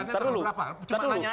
daptarannya terlalu berapa